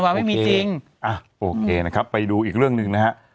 โอเคอ่ะโอเคนะครับไปดูอีกเรื่องนึงนะฮะ